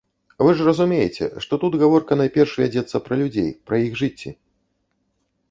Вы ж разумееце, што тут гаворка найперш вядзецца пра людзей, пра іх жыцці.